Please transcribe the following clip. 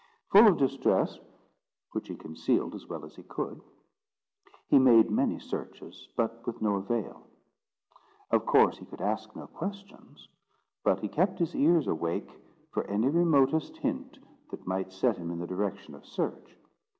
Full of distress, which he concealed as well as he could, he made many searches, but with no avail. Of course he could ask no questions; but he kept his ears awake for any remotest hint that might set him in a direction of search.